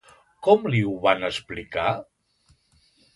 Com li ho van explicar?